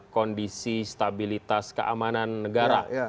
kondisi stabilitas keamanan negara